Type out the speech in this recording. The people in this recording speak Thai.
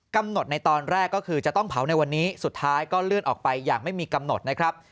ในตอนแรกก็คือจะต้องเผาในวันนี้สุดท้ายก็เลื่อนออกไปอย่างไม่มีกำหนดนะครับ